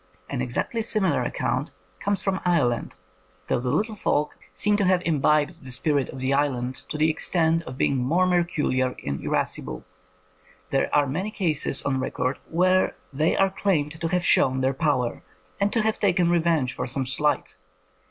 An exactly sunilar account comes from Ireland, though the little folk seem to have imbibed the spirit of the island to the extent of being more mercurial and irascible. There are many cases on record where they are claimed to have shown their power, and to have taken revenge for some slight.